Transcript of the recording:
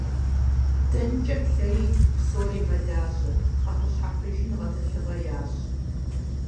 Дэнэкӏэ плъэи, псори мэлажьэ, къахуэщхьэпэжын гъэтӏылъыгъэ ящӏ.